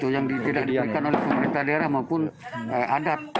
yang tidak diberikan oleh pemerintah daerah maupun adat